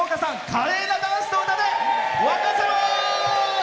華麗なダンスと歌で沸かせます。